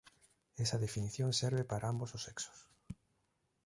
Esa definición serve para ambos os sexos.